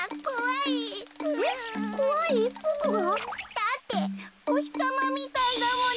だっておひさまみたいだもの。